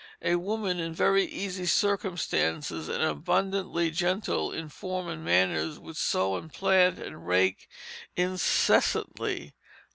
A woman in very easy circumstances and abundantly gentle in form and manners would sow and plant and rake incessantly."